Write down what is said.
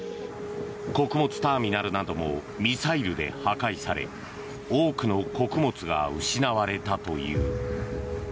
穀物ターミナルなどもミサイルで破壊され多くの穀物が失われたという。